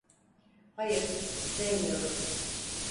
Hayır, sevmiyorum.